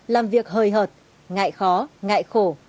làm việc hời hợt ngại khó ngại khổ